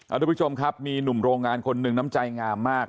ทุกผู้ชมครับมีหนุ่มโรงงานคนหนึ่งน้ำใจงามมาก